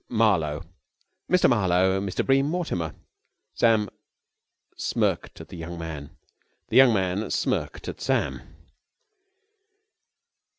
"Marlowe." "Mr. Marlowe. Mr. Bream Mortimer." Sam smirked at the young man. The young man smirked at Sam.